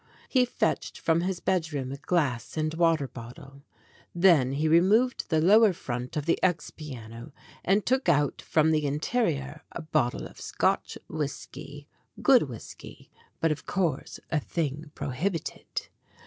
He fetched from his bedroom a glass and water bottle. Then he removed the lower front of the ex piano and took out from the interior a bottle of Scotch whisky good whisky, but, of course, a thing prohibited.